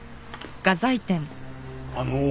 あの。